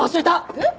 えっ？